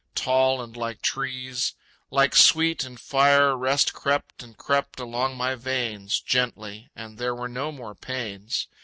Tall and like trees. Like sweet and fire Rest crept and crept along my veins, Gently. And there were no more pains....